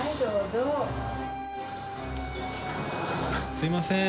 すいません。